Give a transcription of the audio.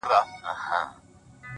• اوس که زما منۍ را ټول یې کړی تخمونه,